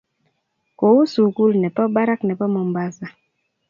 Kou sukul nepo barak nepo Mombasa